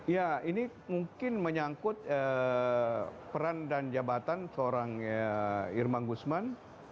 ya ini mungkin menyangkut peran dan jabatan seorang irman gusman